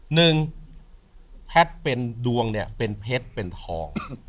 หนึ่งแพทย์เป็นดวงเนี่ยเป็นเพชรเป็นทอง